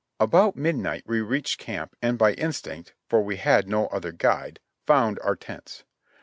About midnight we reached camp and by instinct, for we had no other guide, found our tents.